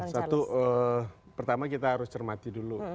satu pertama kita harus cermati dulu